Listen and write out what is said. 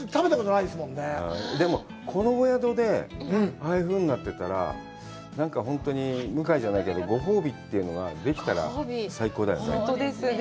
でも、このお宿でああいうふうになってたら、なんか本当に向井じゃないけど、ご褒美というのができたら最高だよね。